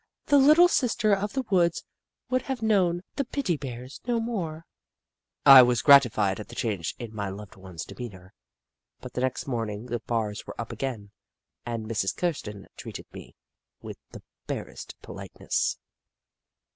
The Little Sister of the Woods would have known the ' pitty Bears ' no more ! 78 The Book of Clever Beasts I was gratified at the change in my loved one's demeanour, but the next morning the bars were up again and Mrs. Kirsten treated me with the barest politeness.